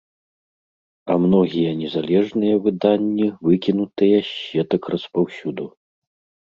А многія незалежныя выданні выкінутыя з сетак распаўсюду.